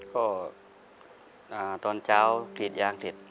ก็ตอนเช้ากรีดยางเสร็จ